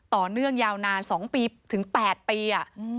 ต่อเนื่องยาวนาน๒ปีถึง๘ปี